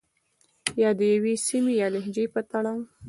يا د يوې سيمې يا لهجې په تړاو